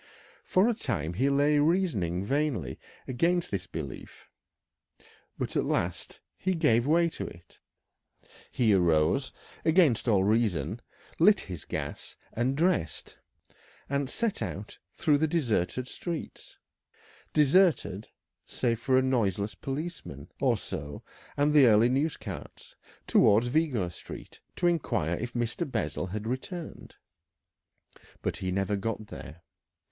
For a time he lay reasoning vainly against this belief, but at last he gave way to it. He arose, against all reason, lit his gas, and dressed, and set out through the deserted streets deserted, save for a noiseless policeman or so and the early news carts towards Vigo Street to inquire if Mr. Bessel had returned. But he never got there.